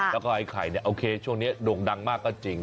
แล้วก็ไอ้ไข่เนี่ยโอเคช่วงนี้โด่งดังมากก็จริง